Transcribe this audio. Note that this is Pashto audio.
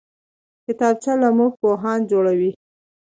کتابچه له موږ پوهان جوړوي